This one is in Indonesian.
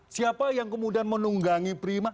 siapa yang kemudian menunggangi prima